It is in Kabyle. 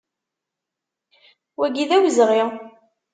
Wagi d awezɣi!